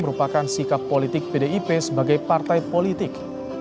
merupakan sikap politik pdip sebagai partai politik